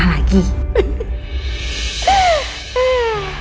emaknya udah nyokap